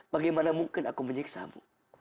bagaimana mungkin aku menyiksa mu